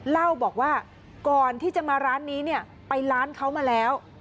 เล่าบอกว่าก่อนที่จะมาร้านนี้เนี่ยไปร้านเขามาแล้ว